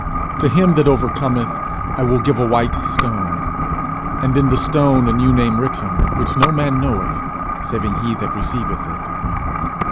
_To him that overcometh, I will give a white stone, and in the stone a new name written, which no man knoweth saving he that receiveth it.